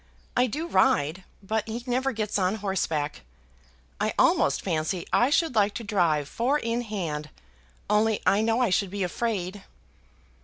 I do ride, but he never gets on horseback. I almost fancy I should like to drive four in hand, only I know I should be afraid."